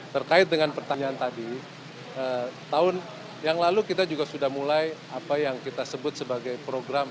terkait dengan pertanyaan tadi tahun yang lalu kita juga sudah mulai apa yang kita sebut sebagai program